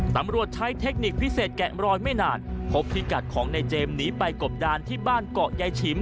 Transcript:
ตำรวจใช้เทคนิคพิเศษแกะมรอยไม่นานพบพิกัดของในเจมส์หนีไปกบดานที่บ้านเกาะยายฉิม